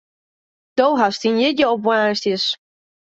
Do hast dyn jierdei op woansdei.